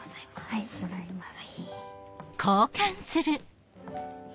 はいもらいます。